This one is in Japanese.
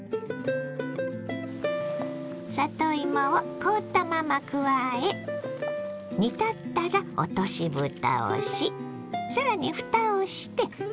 里芋を凍ったまま加え煮立ったら落としぶたをし更にふたをして１０分ほど煮ます。